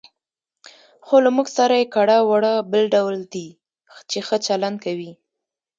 خو له موږ سره یې کړه وړه بل ډول دي، چې ښه چلند کوي.